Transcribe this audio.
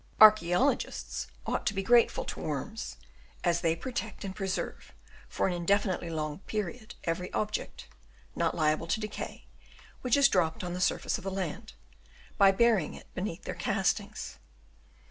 Archaeologists ought to be grateful to worms, as they protect and preserve for an 312 CONCLUSION. Chap. VII. indefinitely long period every object, not liable to decay, which is dropped on the surface of the land, by burying it beneath their castings.